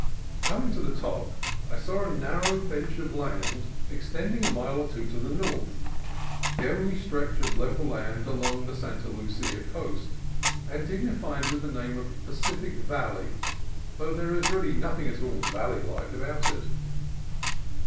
Coming to the top, I saw a narrow bench of land ex 192 CALIFORNIA COAST TRAILS tending a mile or two to the north ; the only stretch of level land along the Santa Lucia coast, and digni fied with the name of Pacific Valley (though there is really nothing at all valley like about it).